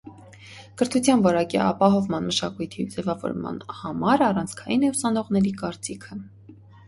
Կրթության որակի ապահովման մշակույթի ձևավորման համար առանցքային է ուսանողների կարծիքը։